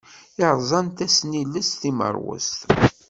Yerzan tasnilest timerwest.